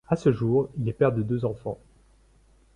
A ce jour il est père de deux enfants.